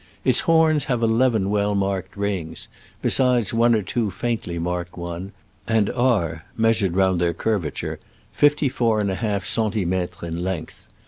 Its horns have eleven well marked rings, besides one or two faintly marked ones, and are (measured round their curvature) fifty four and a half centimetres in length.